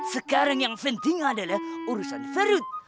sekarang yang penting adalah urusan perut